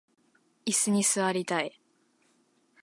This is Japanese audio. いすに座りたい